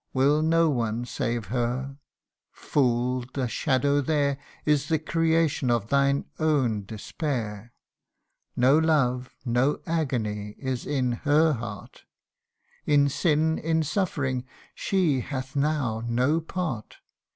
CANTO TIL 1 1 1 Will no one save her ? Fool ! the shadow there Is the creation of thine own despair. No love, no agony, is in her heart : In sin, in suffering, she hath now no part.